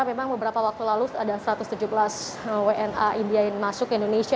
memang beberapa waktu lalu ada satu ratus tujuh belas wna india yang masuk ke indonesia